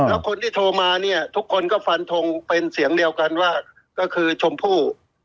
แล้วคนที่โทรมาเนี่ยทุกคนก็ฟันทงเป็นเสียงเดียวกันว่าก็คือชมพู่